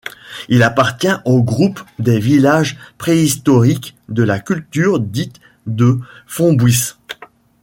Il appartient au groupe des villages préhistoriques de la culture dite de Fontbouisse.